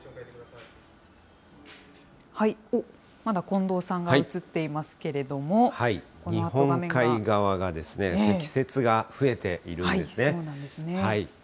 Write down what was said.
まだ近藤さんが映っていますけれども、このあと画面が。日本海側が積雪が増えているんですね。